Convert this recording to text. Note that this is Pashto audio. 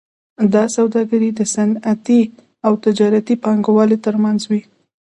دا سوداګري د صنعتي او تجارتي پانګوالو ترمنځ وي